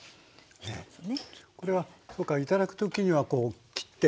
これは今回頂く時にはこう切って？